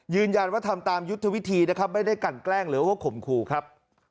ยืนยันว่าทำตามยุทธวิธีไม่ได้กันแกล้งหรือโคมคูครับ